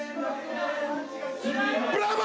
ブラボー！